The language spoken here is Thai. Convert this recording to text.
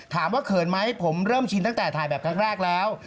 เขินไหมผมเริ่มชินตั้งแต่ถ่ายแบบครั้งแรกแล้ว